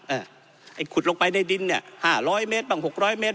ไอ้ขุดลงไปในดินเนี่ยห้าร้อยเมตรบ้างหกร้อยเมตร